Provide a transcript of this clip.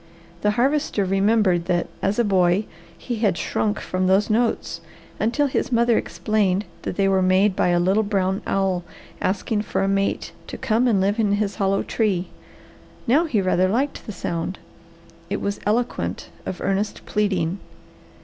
The Harvester remembered that as a boy he had shrunk from those notes until his mother explained that they were made by a little brown owl asking for a mate to come and live in his hollow tree. Now he rather liked the sound. It was eloquent of earnest pleading.